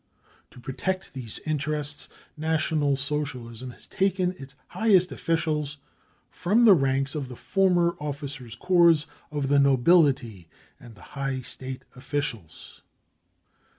To protect these interests, National Socialism has taken its highest officials from the ranks of the former officers 5 corps, of the nobility and the high State officials.